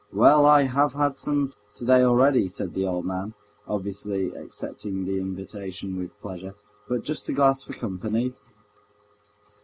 "Well, I have had some today already," said the old man, obviously accepting the invitation with pleasure. "But just a glass for company."